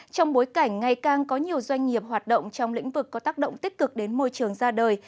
trong bối cảnh ngày càng có nhiều doanh nghiệp hoạt động trong lĩnh vực có tác động tích cực đến môi trường ra đời